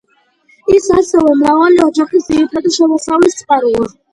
ის ასევე მრავალი ოჯახის ძირითადი შემოსავლის წყაროა.